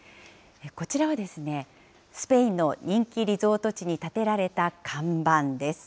こちらは、スペインの人気リゾート地に立てられた看板です。